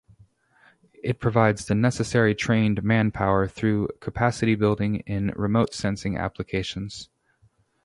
It provides the necessary trained manpower through capacity building in remote sensing applications.